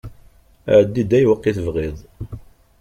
Ɛeddi-d ayweq i tebɣiḍ.